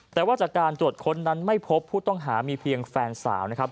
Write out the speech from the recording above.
แต่ว่าจากการตรวจค้นนั้นไม่พบผู้ต้องหามีเพียงแฟนสาวนะครับ